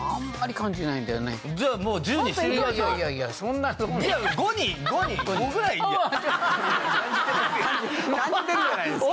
感じてるじゃないですか。